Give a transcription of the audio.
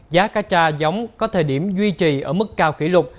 giá cacha giống có thời điểm duy trì ở mức cao kỷ lục